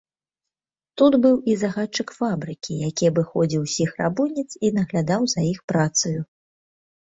Тут быў і загадчык фабрыкі, які абыходзіў усіх работніц і наглядаў за іх працаю.